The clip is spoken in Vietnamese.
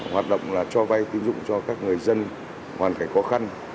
hoạt động cho vay tín dụng cho các người dân hoàn cảnh khó khăn